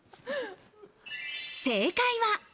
正解は。